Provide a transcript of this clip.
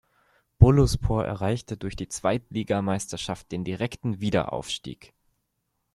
Boluspor erreichte durch die Zweitligameisterschaft den direkten Wiederaufstieg.